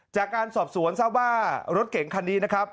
จากการสอบสวนทราบว่ารถเก่งคันนี้นะครับ